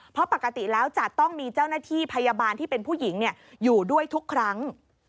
เพราะปกติแล้วจะต้องมีเจ้าหน้าที่พยาบาลที่เป็นผู้หญิงอยู่ด้วยทุกครั้ง